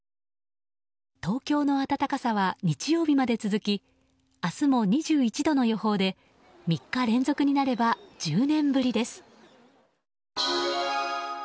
東京の暖かさは日曜日まで続き明日も２１度の予報で３日連続になれば１０年ぶりです。